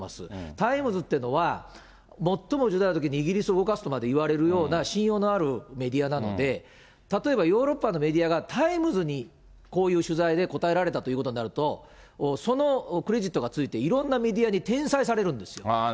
タイムズというのは、最もイギリスを動かすといわれるほどの信用のあるメディアなので、例えばヨーロッパのメディアがタイムズにこういう取材で答えられたということになると、そのクレジットがついて、いろんなメディアに転載されるんですよ。